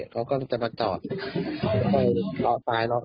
เขาก็จะมาจอดต่อซ้ายมาแล้วก็มาจอด